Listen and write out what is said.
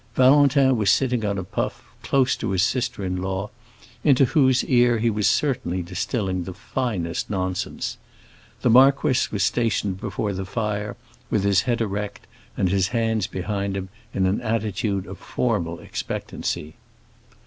Valentin was sitting on a puff, close to his sister in law, into whose ear he was certainly distilling the finest nonsense. The marquis was stationed before the fire, with his head erect and his hands behind him, in an attitude of formal expectancy.